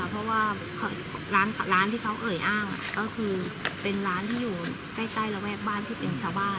เพราะว่าร้านที่เขาเอ่ยอ้างก็คือเป็นร้านที่อยู่ใกล้ระแวกบ้านที่เป็นชาวบ้าน